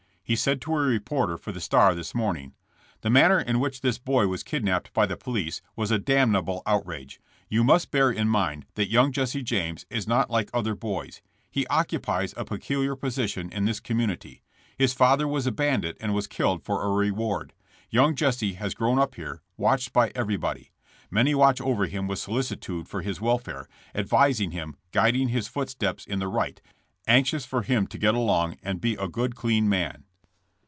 He said to a reporter for The Star this morning: 'The manner in which this boy was kidnapped by the police was a damnable outrage. You must bear in mind that young Jesse James is not like other boys. He occupies a peculiar position in this com munity. His father was a bandit and was killed for a reward. Young Jesse has grown up here, watched by everybody. Many watched over him with solici tude for his welfare, advising him, guiding his foot steps in the right, anxious for him to get along and be a good, clean man.